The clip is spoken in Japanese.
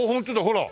ほら。